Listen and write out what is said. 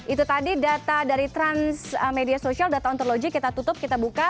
itu tadi data dari transmedia social data ontologi kita tutup kita buka